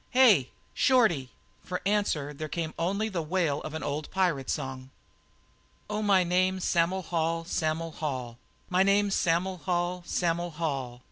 "Hey! Shorty!" For answer there came only the wail of an old pirate song. "Oh, my name's Sam'l Hall Sam'l Hall; My name's Sam'l Hall Sam'l Hall.